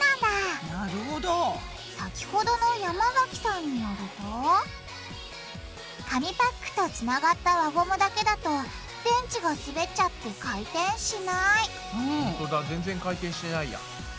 先ほどの山崎さんによると紙パックとつながった輪ゴムだけだと電池がすべっちゃって回転しないほんとだ全然回転してないや。